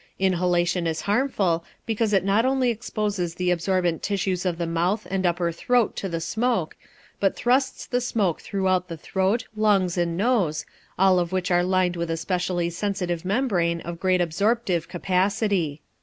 Inhalation is harmful because it not only exposes the absorbent tissues of the mouth and upper throat to the smoke, but thrusts the smoke throughout the throat, lungs, and nose, all of which are lined with a specially sensitive membrane of great absorptive capacity.